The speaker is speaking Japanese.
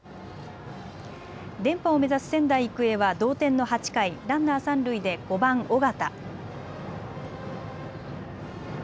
連覇を目指す仙台育英は同点の８回、ランナー三塁で５番・尾形。